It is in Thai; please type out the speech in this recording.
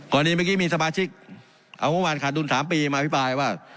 ก่อนนี้เมื่อกี้มีสมาชิกเอาโรงพยาบาลขาดดุล๓ปีมาอภิปรายว่า